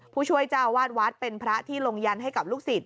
ผู้ช่วยเจ้าวาดวัดเป็นพระที่ลงยันให้กับลูกศิษย